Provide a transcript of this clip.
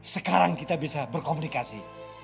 sekarang kita bisa berkomunikasi